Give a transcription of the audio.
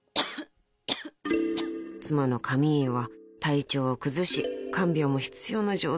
［妻のカミーユは体調を崩し看病も必要な状態］